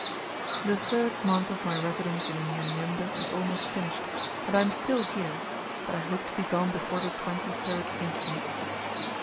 The third month of my residence in Unyanyembe is almost finished, and I am still here, but I hope to be gone before the 23rd inst.